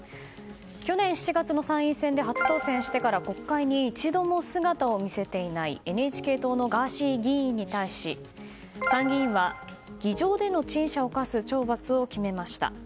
去年７月の参院選で初当選してから国会に一度も姿を見せていないＮＨＫ党のガーシー議員に対し参議院は議場での陳謝を科す懲罰を決めました。